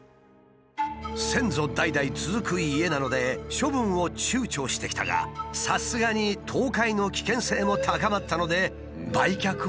先祖代々続く家なので処分をちゅうちょしてきたがさすがに倒壊の危険性も高まったので売却を考え始めたという。